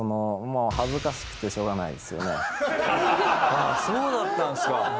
ああそうだったんですか。